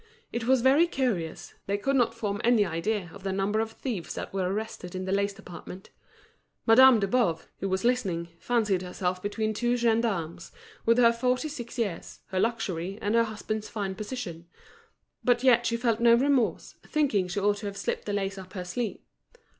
It was very curious, they could not form any idea of the number of thieves that were arrested in the lace department. Madame de Boves, who was listening, fancied herself between two gendarmes, with her forty six years, her luxury, and her husband's fine position; but yet she felt no remorse, thinking she ought to have slipped the lace up her sleeve.